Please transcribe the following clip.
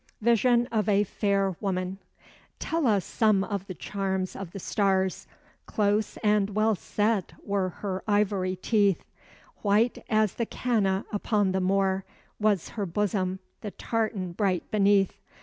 VISION OF A FAIR WOMAN Tell us some of the charms of the stars: Close and well set were her ivory teeth; White as the canna upon the moor Was her bosom the tartan bright beneath.